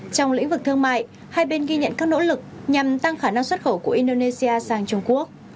trong lĩnh vực thương mại hai bên ghi nhận các nỗ lực nhằm tăng khả năng xuất khẩu của indonesia sang trung quốc